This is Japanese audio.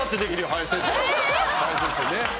林先生ね。